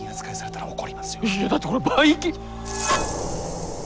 いやだってこれバイキン。